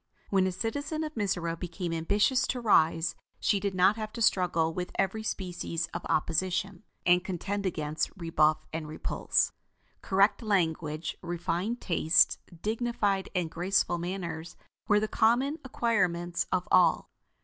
When a citizen of Mizora became ambitious to rise, she did not have to struggle with every species of opposition, and contend against rebuff and repulse. Correct language, refined tastes, dignified and graceful manners were the common acquirements of all.